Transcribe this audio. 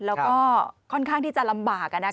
แล้วก็ค่อนข้างที่จะลำบาก